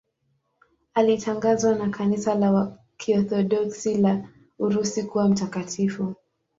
Alitangazwa na Kanisa la Kiorthodoksi la Urusi kuwa mtakatifu.